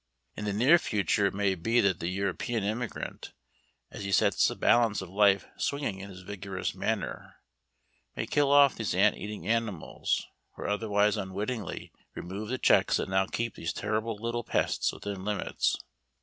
In the near future it may be that the European immigrant, as he sets the balance of life swinging in his vigorous manner, may kill off these ant eating animals, or otherwise unwittingly remove the checks that now keep these terrible little pests within limits.